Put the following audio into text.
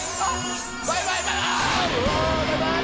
バイバイバイバイ！